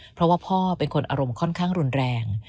เพราะว่าพ่อเป็นคนอารมณ์ค่อนข้างรุนแรง